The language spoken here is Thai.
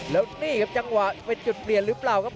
แล้วนี่ครับจังหวะเป็นจุดเปลี่ยนหรือเปล่าครับ